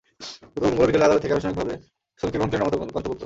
গতকাল মঙ্গলবার বিকেলে আদালত থেকে আনুষ্ঠানিকভাবে সনুকে গ্রহণ করেন রমাকান্ত গুপ্ত।